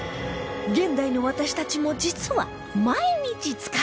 現代の私たちも実は毎日使っているもの